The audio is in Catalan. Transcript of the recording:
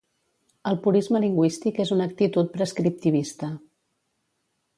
El purisme lingüístic és una actitud prescriptivista.